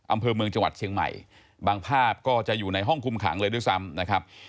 อำเภอเมืองจังหวัดเชียงใหม่บางภาพก็จะอยู่ในห้องคุมขังเลยด้วยซ้ำนะครับ